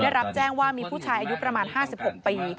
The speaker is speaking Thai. ได้รับแจ้งว่ามีผู้ชายอายุประมาณ๕๖ปี